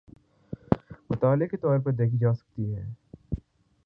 مطالعے کے طور پہ دیکھی جا سکتی ہیں۔